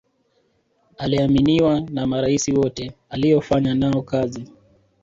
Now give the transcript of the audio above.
aliaminiwa na maraisi wote aliyofanya nao kazi